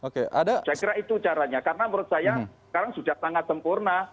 saya kira itu caranya karena menurut saya sekarang sudah sangat sempurna